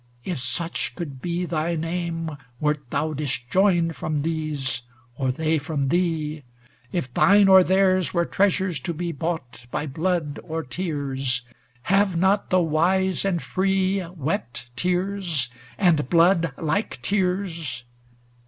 if such could be thy name Wert thou disjoined from these, or they from thee ŌĆö If thine or theirs were treasures to be bought By blood or tears, have not the wise and free Wept tears, and blood like tears